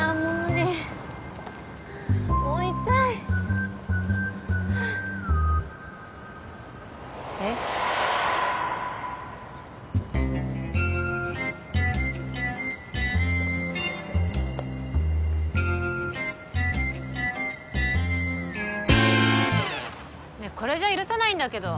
ねえこれじゃ許さないんだけど。